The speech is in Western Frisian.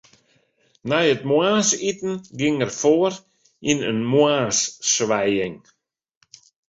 Nei it moarnsiten gie er foar yn in moarnswijing.